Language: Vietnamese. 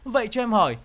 vậy cho em hỏi